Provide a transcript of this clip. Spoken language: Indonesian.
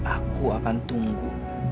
aku akan tunggu